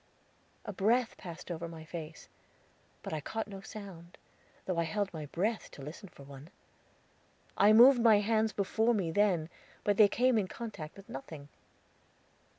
A breath passed over my face; but I caught no sound, though I held my breath to listen for one. I moved my hands before me then, but they came in contact with nothing.